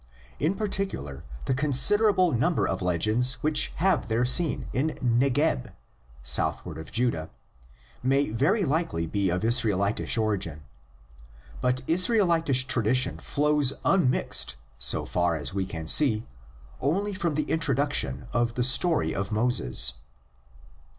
In particular the con siderable number of legends which have their scene in Negeb (southward of Judah) may very likely be of Israelitish origin. But Israelitish tradition flows unmixed, so far as we can see, only from the intro duction of the story of Moses.